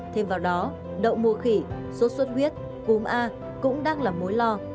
thêm vào đó đậu mùa khỉ sốt xuất huyết cúm a cũng đang là mối lo